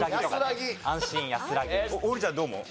王林ちゃんどう思う？